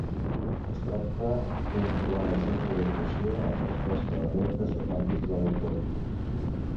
Es tracta d'un clar exemple d'evolució en resposta a reptes de canvis de l'entorn.